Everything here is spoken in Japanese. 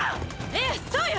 ⁉ええそうよ！